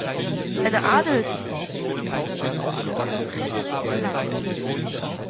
Seine Adelstitel erbte sein Bruder Frederick Lamb.